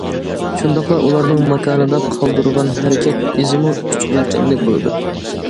شۇنداقلا ئۇلارنىڭ ماكاندا قالدۇرغان ھەرىكەت ئىزىمۇ ئۈچ ئۆلچەملىك بولىدۇ.